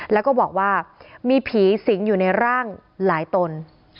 แล้วก็บอกว่ามีผีสิงอยู่ในร่างหลายตน